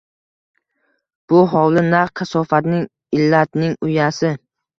Bu hovli naq kasofatning, illatning uyasi.